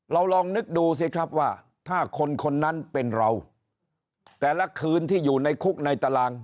ลองนึกดูสิครับว่าถ้าคนคนนั้นเป็นเราแต่ละคืนที่อยู่ในคุกในตาราง